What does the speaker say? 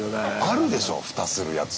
あるでしょ蓋するやつ。